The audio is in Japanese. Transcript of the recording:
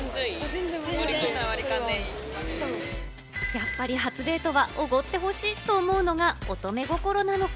やっぱり初デートはおごってほしいと思うのが乙女心なのか？